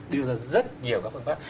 đưa ra rất nhiều các phương pháp